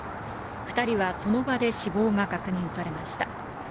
２人はその場で死亡が確認されました。